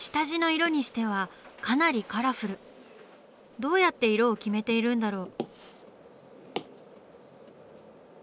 どうやって色を決めているんだろう？